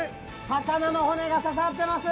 魚の骨が刺さってます！